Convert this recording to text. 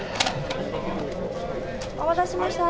お待たせしました。